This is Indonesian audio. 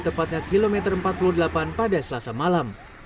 tepatnya kilometer empat puluh delapan pada selasa malam